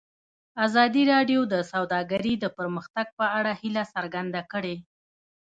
ازادي راډیو د سوداګري د پرمختګ په اړه هیله څرګنده کړې.